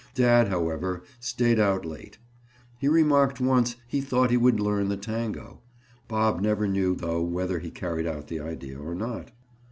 Dad, however, stayed out late. He remarked once he thought he would learn to tango. Bob never knew though whether he carried out the idea or not.